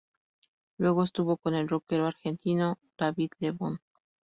Luego estuvo con el rockero argentino David Lebón.